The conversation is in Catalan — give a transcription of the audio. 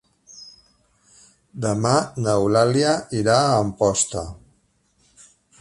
Demà n'Eulàlia irà a Amposta.